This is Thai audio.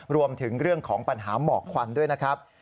รวมถึงเรื่องของปัญหาหมอกควันด้วยนะครับ